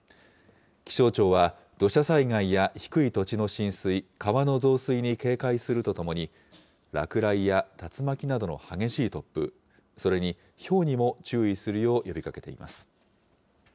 気象庁は土砂災害や低い土地の浸水、川の増水に警戒するとともに、落雷や竜巻などの激しい突風、それに、ひょうにも注意するよう呼